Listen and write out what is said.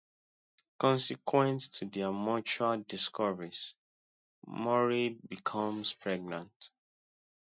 Consequent to their mutual discoveries, Maurey becomes pregnant.